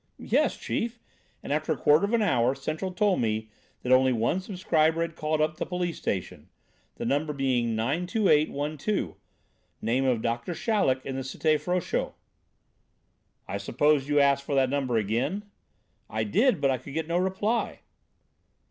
"Yes, chief, and after a quarter of an hour Central told me that only one subscriber had called up the police station, the number being 928 12, name of Doctor Chaleck in the Cité Frochot." "I suppose you asked for the number again?" "I did, but I could get no reply."